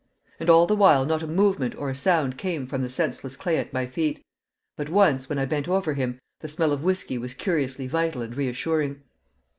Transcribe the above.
And all the while not a movement or a sound came from the senseless clay at my feet; but once, when I bent over him, the smell of whiskey was curiously vital and reassuring.